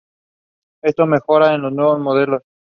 Esto mejora en los nuevos modelos.